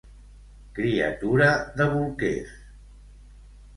Criatura de bolquers.